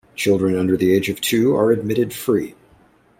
Children under the age of two are admitted free.